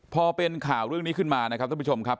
พอเป็นข่าวเรื่องนี้ขึ้นมานะครับท่านผู้ชมครับ